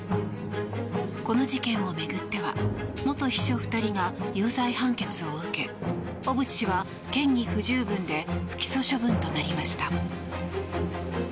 この事件を巡っては元秘書２人が有罪判決を受け小渕氏は嫌疑不十分で不起訴処分となりました。